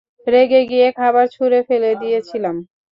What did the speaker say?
রেগে গিয়ে খাবার ছুঁড়ে ফেলে দিয়েছিলাম।